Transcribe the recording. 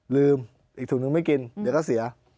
ลืมอีกถุงนึงไม่กินเดี๋ยวก็เสีย